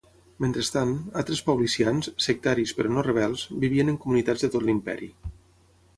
Mentrestant, altres paulicians, sectaris, però no rebels, vivien en comunitats de tot l'imperi.